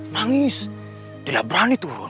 nangis tidak berani turun